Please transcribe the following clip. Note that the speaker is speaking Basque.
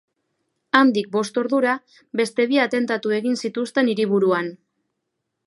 Handik bost ordura, beste bi atentatu egin zituzten hiriburuan.